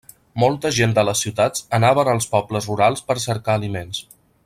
Molta gent de les ciutats anaven als pobles rurals per cercar aliments.